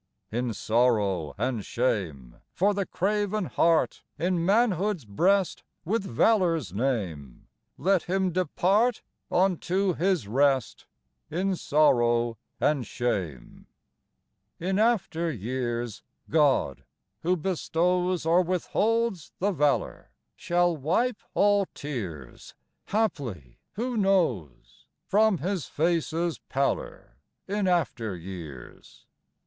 In sorrow and shame For the craven heart, In manhood's breast With valor's name, Let him depart Unto his rest In sorrow and shame. In after years God, who bestows Or withholds the valor, Shall wipe all tears Haply, who knows? From his face's pallor In after years.